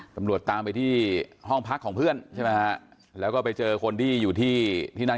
ตำรวจตามไปที่ห้องพักของเพื่อนใช่ไหมฮะแล้วก็ไปเจอคนที่อยู่ที่ที่นั่ง